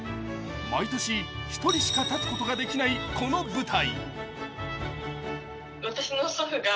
毎年、１人しか立つことができないこの舞台。